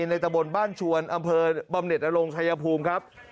ตะบนบ้านชวนอำเภอบำเน็ตนรงชายภูมิครับ